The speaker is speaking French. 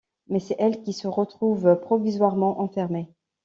Mais c'est elle qui se retrouve provisoirement enfermée.